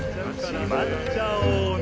しまっちゃおうね。